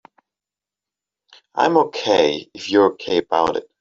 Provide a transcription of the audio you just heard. I'm OK if you're OK about it.